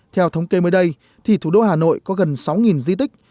theo thống kê mới đây thì thủ đô hà nội có gần sáu di tích